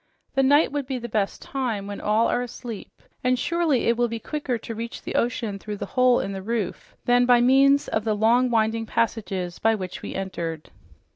The night would be the best time, when all are asleep, and surely it will be quicker to reach the ocean through this hole in the roof than by means of the long, winding passages by which we entered."